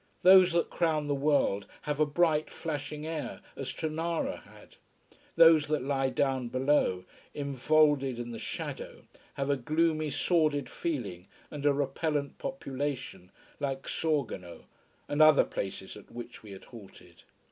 Those that crown the world have a bright, flashing air, as Tonara had. Those that lie down below, infolded in the shadow, have a gloomy, sordid feeling and a repellent population, like Sorgono and other places at which we had halted.